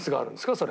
それ。